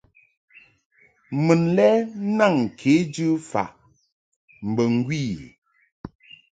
Mun lɛ naŋ kejɨ mf ambo ŋgwi i.